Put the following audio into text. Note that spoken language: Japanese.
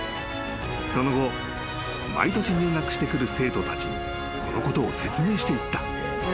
［その後毎年入学してくる生徒たちにこのことを説明していった］